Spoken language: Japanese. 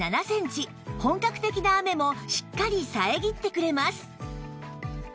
本格的な雨もしっかり遮ってくれます